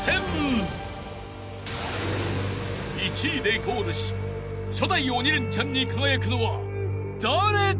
［１位でゴールし初代鬼レンチャンに輝くのは誰だ？］